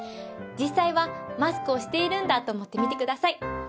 「実際はマスクをしているんだ」と思って見てください。